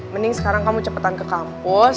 mending sekarang kamu cepetan ke kampus